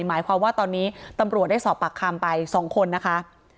หมายความว่าตอนนี้ตำรวจได้สอบปากคำไป๒คนนะคะ